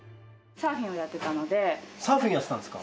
サーフィンやってたんですか？